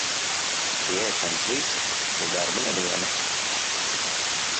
Pie ēšanas visi, pie darba neviena.